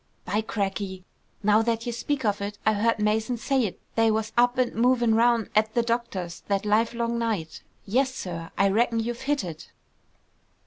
"By crackey! Now that you speak of it, I heard Mason say't they was up an' movin' round at the doctor's that livelong night! Yes, sir, I reckon you've hit it!"